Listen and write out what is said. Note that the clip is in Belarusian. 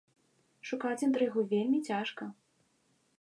Шукаць інтрыгу вельмі цяжка.